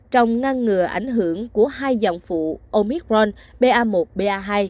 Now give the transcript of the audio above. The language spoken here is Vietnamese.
trong ngăn ngừa ảnh hưởng của hai dòng phụ omicron pa một pa hai